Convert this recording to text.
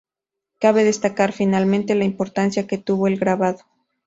Cabe destacar, finalmente, la importancia que tuvo el grabado.